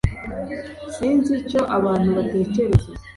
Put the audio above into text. Sinzi icyo abantu batekereza